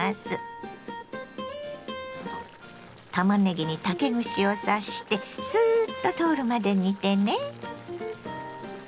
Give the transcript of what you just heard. たまねぎに竹串を刺してスーッと通るまで煮てね。